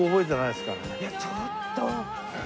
いやちょっと。